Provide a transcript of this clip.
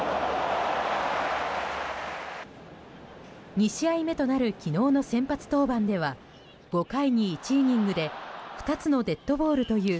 ２試合目となる昨日の先発登板では５回に１イニングで２つのデッドボールという